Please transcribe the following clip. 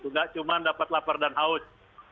nggak cuma dapat lapar dan haus